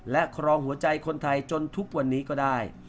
และครองหัวใจคนไทยจนทุกวันนี้ก็ได้